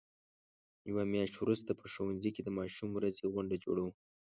یوه میاشت وروسته په ښوونځي کې د ماشوم ورځې غونډه جوړو.